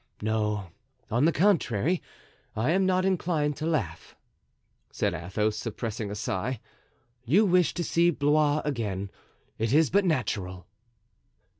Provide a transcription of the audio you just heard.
"No, on the contrary, I am not inclined to laugh," said Athos, suppressing a sigh. "You wish to see Blois again; it is but natural."